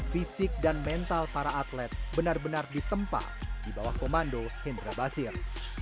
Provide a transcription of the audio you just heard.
fisik dan mental para atlet benar benar ditempa di bawah komando hendra basir